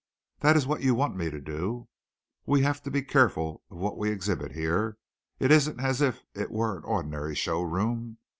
That is what you want me to do. We have to be careful of what we exhibit here. It isn't as if it were an ordinary show room.